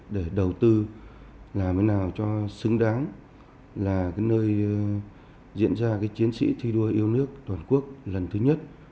để đầu tư làm thế nào cho xứng đáng là nơi diễn ra chiến sĩ thi đua yêu nước toàn quốc lần thứ nhất